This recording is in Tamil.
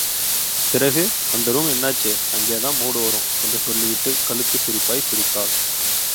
பிறகு, அந்த ரூமு என்னாச்சு, அங்கேதான் மூடு வரும்... என்று சொல்லிவிட்டு களுக்கு சிரிப்பாய் சிரித்தாள்.